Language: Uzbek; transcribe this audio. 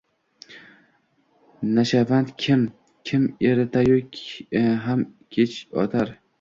Nashavand kim, kim ertayu ham kech otar.